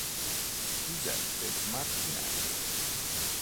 Giuseppe Martinelli